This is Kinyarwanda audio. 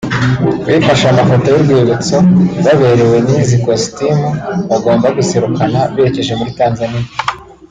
bifashe amafoto y’urwibutso baberewe n’izi kositimu bagomba guserukana berekeje muri Tanzania